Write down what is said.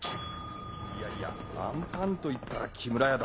いやいやアンパンといったら木村屋だろ。